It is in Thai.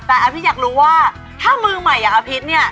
แต่อาพิษอยากรู้ว่าถ้ามือใหม่อย่างอภิษเนี่ย